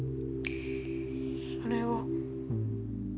それは。